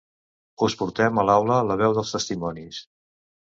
Us portem a l'aula la veu dels testimonis.